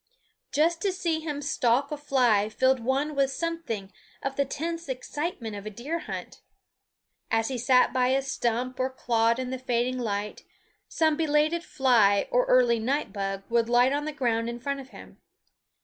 Just to see him stalk a fly filled one with something of the tense excitement of a deer hunt. As he sat by a stump or clod in the fading light, some belated fly or early night bug would light on the ground in front of him.